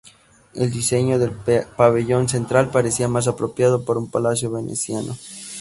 El diseño del pabellón central parecía más apropiado para un palacio veneciano.